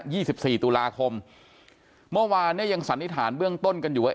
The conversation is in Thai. สิบสี่ตุลาคมเมื่อวานเนี้ยยังสันนิษฐานเบื้องต้นกันอยู่ว่า